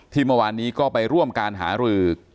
เมื่อวานนี้ก็ไปร่วมการหารือ